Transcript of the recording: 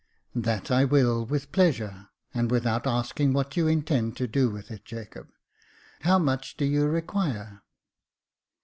"That I will, with pleasure, and without asking what you intend to do with it, Jacob. How much do you require